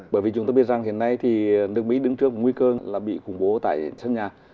bởi vì chúng tôi biết rằng hiện nay thì nước mỹ đứng trước một nguy cơ là bị khủng bố tại sân nhà